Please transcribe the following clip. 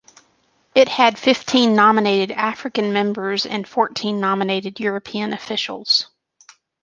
It had fifteen nominated African members and fourteen nominated European officials.